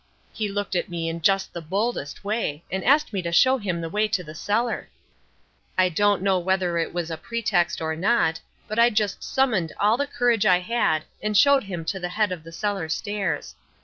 He looked at me in just the boldest way and asked me to show him the way to the cellar. I don't know whether it was a pretext or not, but I just summoned all the courage I had and showed him to the head of the cellar stairs.